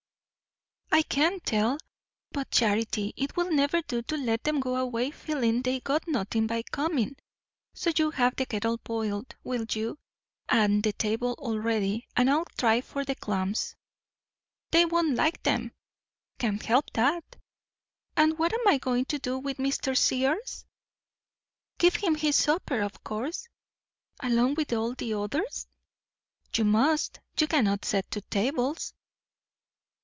"I can't tell; but, Charity, it will never do to let them go away feeling they got nothing by coming. So you have the kettle boiled, will you, and the table all ready and I'll try for the clams." "They won't like 'em." "Can't help that." "And what am I going to do with Mr. Sears?" "Give him his supper of course." "Along with all the others?" "You must. You cannot set two tables."